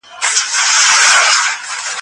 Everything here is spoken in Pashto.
ثانیه وايي، صبر او حوصله د مور کیدو تجربه ده.